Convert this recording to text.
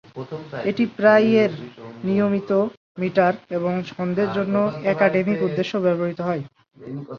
এটি প্রায়ই এর নিয়মিত মিটার এবং ছন্দের জন্য একাডেমিক উদ্দেশ্যে ব্যবহৃত হয়।